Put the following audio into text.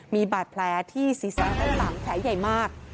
มีบาดแพลที่๔๓๓แขนใหญ่มาก